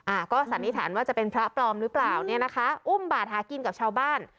อ่าก็สันนิษฐานว่าจะเป็นพระปลอมหรือเปล่าเนี่ยนะคะอุ้มบาทหากินกับชาวบ้าน